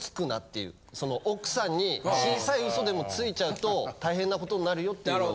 奥さんに小さい嘘でもついちゃうと大変な事になるよっていうのは。